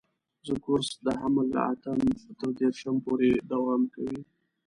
زموږ کورس د حمل له اتم تر دېرشم پورې دوام کوي.